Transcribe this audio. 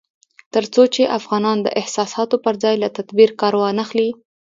تر څو چې افغانان د احساساتو پر ځای له تدبير کار وانخلي